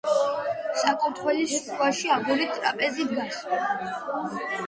საკურთხევლის შუაში აგურით ტრაპეზი დგას.